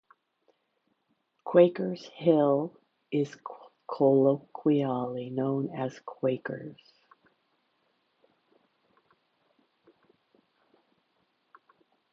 Quakers Hill is colloquially known as 'Quakers'.